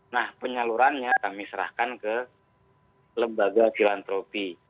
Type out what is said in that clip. nah penyalurannya kami serahkan ke lembaga filantropi